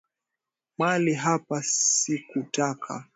Mali hapa sikutaka.